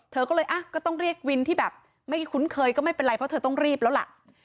เธอก็เลยก็ต้องเรียกวินที่แบบไม่คุ้นเคยก็ไม่เป็นไรเพราะเธอต้องรีบแล้วล่ะ